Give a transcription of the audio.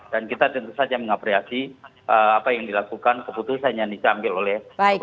dan kita tentu saja mengapreasi apa yang dilakukan keputusan yang diambil oleh bapak kapolri